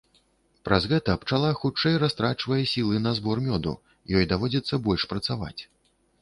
Праз гэта пчала хутчэй растрачвае сілы на збор мёду, ёй даводзіцца больш працаваць.